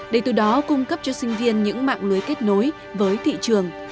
để từ đó cung cấp cho sinh viên những mạng lưới kết nối với thị trường